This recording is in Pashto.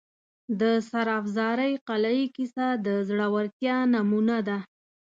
د سرافرازۍ قلعې کیسه د زړه ورتیا نمونه ده.